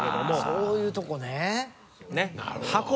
そういうとこね。